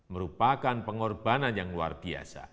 merupakan pengorbanan yang luar biasa